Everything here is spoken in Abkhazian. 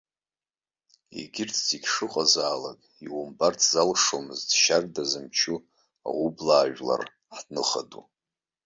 Егьырҭ зегьы шыҟазаалак, иумбарц залшомызт шьарда зымчу, аублаа жәлар ҳныха ду.